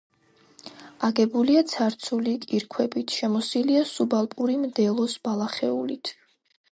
აგებულია ცარცული კირქვებით; შემოსილია სუბალპური მდელოს ბალახეულით.